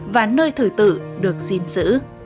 và nơi thử tử được xin xử